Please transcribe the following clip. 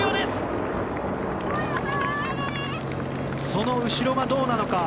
その後ろがどうか。